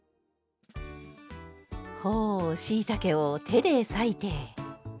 ほうしいたけを手で裂いて。